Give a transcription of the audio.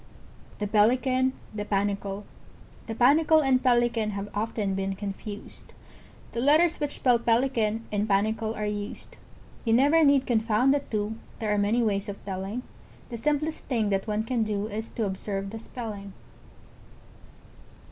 The Pelican. The Panicle. [Illustration: The Pelican. The Panicle.] The Panicle and Pelican Have often been confused; The letters which spell Pelican In Panicle are used. You never need confound the two, There are many ways of telling: The simplest thing that one can do, Is to observe the spelling.